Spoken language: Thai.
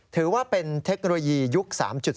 ถือว่าเป็นเทคโนโลยียุค๓๐